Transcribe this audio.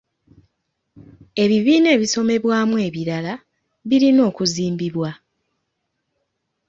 Ebibiina ebisomebwamu ebirala birina okuzimbibwa.